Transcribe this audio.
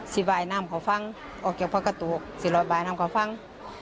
สี่บ่ายน้ำขอฟังสี่ร้อยบ่ายน้ำขอฟัง